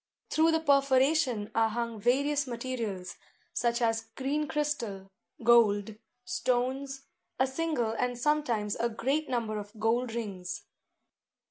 Through the perforation are hung various materials; such as green crystal, gold, stones, a single and sometimes a great number of gold rings.